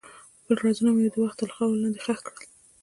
خپل رازونه مې د وخت تر خاورو لاندې ښخ کړل.